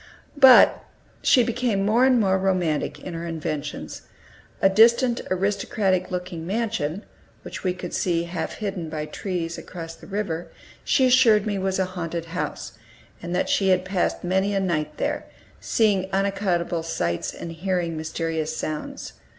But she became more and more romantic in her inventions. A distant aristocratic looking mansion, which we could see half hidden by trees, across the river, she assured me was a haunted house, and that she had passed many a night there, seeing unaccountable sights, and hearing mysterious sounds.